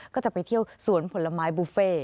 ก็จะไปเที่ยวสวนผลไม้บุฟเฟ่